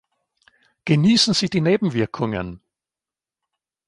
Genießen Sie die Nebenwirkungen!